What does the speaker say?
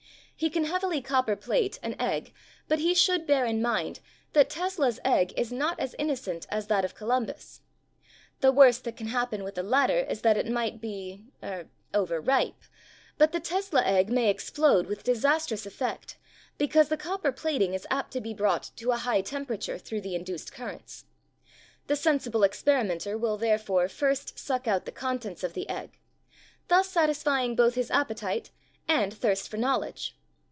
He can heavily copper plate an egg but he should bear in mind that Tesla's egg is not as innocent as that of Columbus. The worst that can happen with the latter is that it might be, — er — over ripe ! but the Tesla egg may explode with disastrous ef fect because the copper plating is apt to be brought to a high temperature thru the induced currents. The sensible experi menter will, therefore, first suck out the contents of the egg — thus satisfying both his appetite and thirst for knowledge.